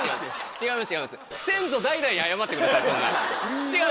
違います。